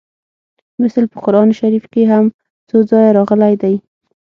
مثل په قران شریف کې هم څو ځایه راغلی دی